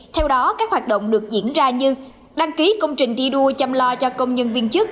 theo đó các hoạt động được diễn ra như đăng ký công trình thi đua chăm lo cho công nhân viên chức